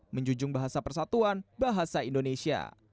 menjunjung bahasa persatuan bahasa indonesia